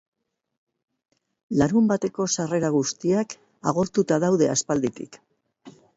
Larunbateko sarrera guztiak agortuta daude aspalditik.